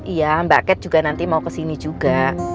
iya mbak ket juga nanti mau kesini juga